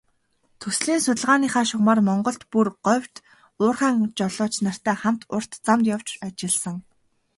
Төслийн судалгааныхаа шугамаар Монголд, бүр говьд уурхайн жолооч нартай хамт урт замд явж ажилласан.